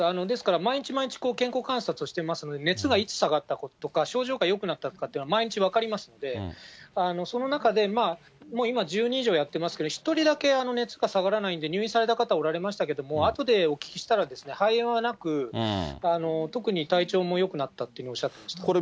ですから、毎日毎日、健康観察をしてますので、熱がいつ下がったとか、症状がよくなったとかっていうのは、毎日分かりますので、その中で今１０人以上やってますけれども、１人だけ熱が下がらないんで入院された方おられましたけれども、あとでお聞きしたら、肺炎はなく、特に体調もよくなったというのをおっしゃってました。